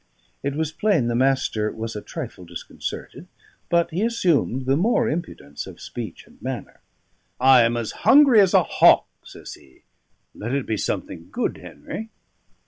It was plain the Master was a trifle disconcerted; but he assumed the more impudence of speech and manner. "I am as hungry as a hawk," says he. "Let it be something good, Henry."